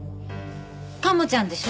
鴨ちゃんでしょ？